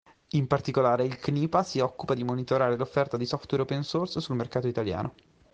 In particolare il CNIPA si occupa di monitorare l'offerta di software open source sul mercato italiano.